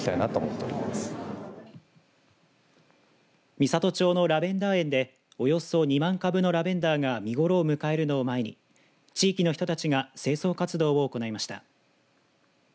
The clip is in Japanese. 美郷町のラベンダー園でおよそ２万株のラベンダーが見頃を迎えるのを前に地域の人たちが清掃活動を行いました。